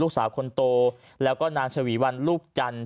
ลูกสาวคนโตแล้วก็นางชวีวันลูกจันทร์